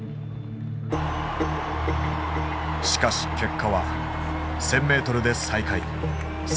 しかし結果は１，０００ｍで最下位。